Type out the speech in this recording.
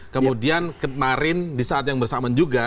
kemudian kemarin di saat yang bersamaan juga